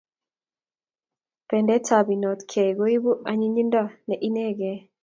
Pendap inokiet koipu anyinyindo ne inegei